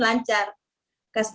saya tidak bisa belajar